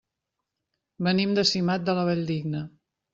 Venim de Simat de la Valldigna.